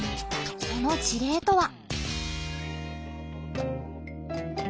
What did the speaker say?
その事例とは。